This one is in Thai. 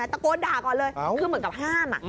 ตะโกนด่าก่อนเลยคือเหมือนกับห้าม